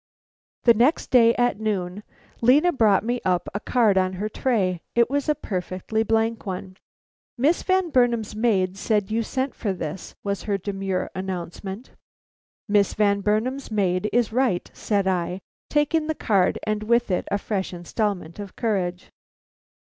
The next day at noon Lena brought me up a card on her tray. It was a perfectly blank one. "Miss Van Burnam's maid said you sent for this," was her demure announcement. "Miss Van Burnam's maid is right," said I, taking the card and with it a fresh installment of courage.